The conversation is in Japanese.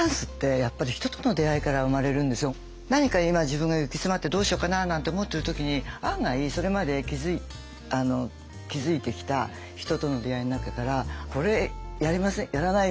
というのは何か今自分が行き詰まってどうしようかな？なんて思ってる時に案外それまで築いてきた人との出会いの中から「これやりません？やらない？」